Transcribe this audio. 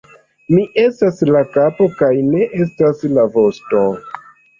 Mi estas la kapo, kaj ne estas la vosto!